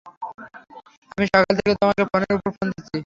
আমি সকাল থেকে তোমাকে ফোনের উপর ফোন দিচ্ছি।